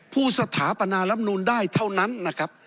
สถาปนารำนูนได้เท่านั้นนะครับ